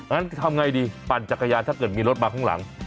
งั้นทำไงดีปั่นจักรยานถ้าเกิดมีรถมาข้างหลัง